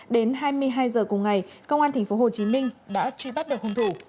đến hai mươi hai h cùng ngày công an tp hcm đã truy bắt được hung thủ